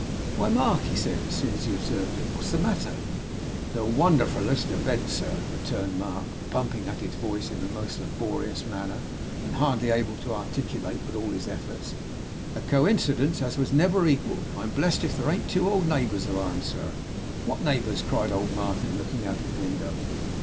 'Why, Mark!' he said, as soon as he observed it, 'what's the matter?' 'The wonderfulest ewent, sir!' returned Mark, pumping at his voice in a most laborious manner, and hardly able to articulate with all his efforts. 'A coincidence as never was equalled! I'm blessed if here ain't two old neighbours of ourn, sir!' 'What neighbours?' cried old Martin, looking out of window.